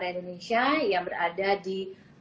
indonesia yang berada di